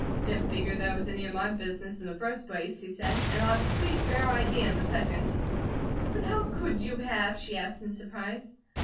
"Didn't figure that it was any of my business in the first place," he said, "and I have a pretty fair idea, in the second." "But how could you have?" she asked in surprise.